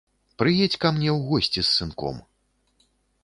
Прыедзь ка мне ў госці з сынком.